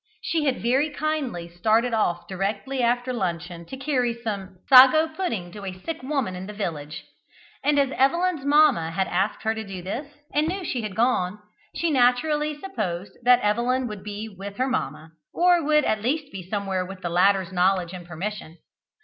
She had very kindly started off directly after luncheon to carry some sago pudding to a sick woman in the village; and as Evelyn's mamma had asked her to do this, and knew she had gone, she naturally supposed that Evelyn would be with her mamma, or would at least be somewhere with the latter's knowledge and permission.